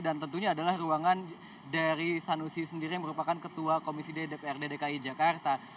dan tentunya adalah ruangan dari sanusi sendiri yang merupakan ketua komisi dprd dki jakarta